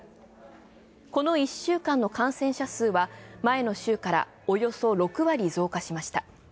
この１週間の感染者数は前の週からおよそ６割増加しました。